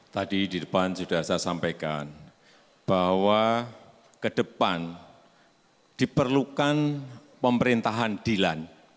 tadi di depan sudah saya sampaikan bahwa ke depan diperlukan pemerintahan dilan